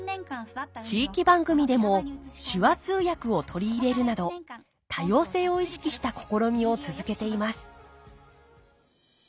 地域番組でも手話通訳を取り入れるなど多様性を意識した試みを続けています